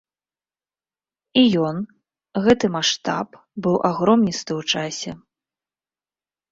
І ён, гэты маштаб, быў агромністы ў часе.